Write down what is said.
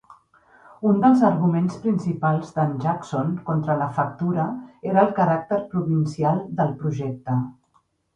Un dels arguments principals d'en Jackson contra la factura era el caràcter provincial del projecte.